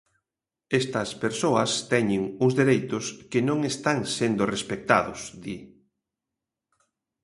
Estas persoas teñen uns dereitos que non están sendo respectados, di.